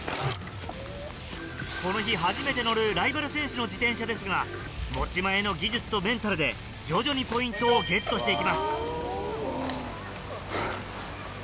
この日初めて乗るライバル選手の自転車ですが持ち前の技術とメンタルで徐々にポイントをゲットしていきます。